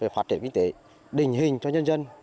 phát triển kinh tế đình hình cho nhân dân